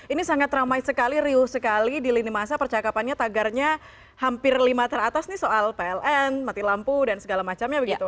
ini sangat ramai sekali riuh sekali di lini masa percakapannya tagarnya hampir lima teratas nih soal pln mati lampu dan segala macamnya begitu